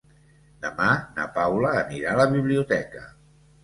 Demà na Paula anirà a la biblioteca.